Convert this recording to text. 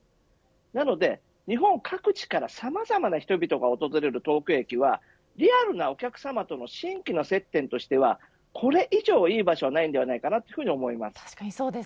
なので、日本各地からさまざまな人々が訪れる東京駅はリアルなお客様との新規の接点としてはこれ以上いい場所はないと思います。